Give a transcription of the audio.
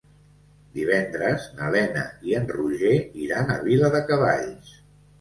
Divendres na Lena i en Roger iran a Viladecavalls.